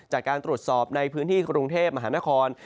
จากการตรวจสอบในพื้นที่กรุงเทพมหานคร